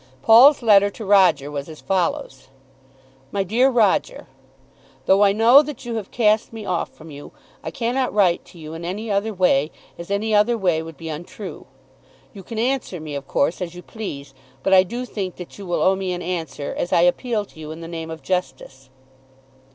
Paul's letter to Roger was as follows: MY DEAR ROGER, Though I know that you have cast me off from you I cannot write to you in any other way, as any other way would be untrue. You can answer me, of course, as you please, but I do think that you will owe me an answer, as I appeal to you in the name of justice.